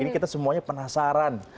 ini kita semuanya penasaran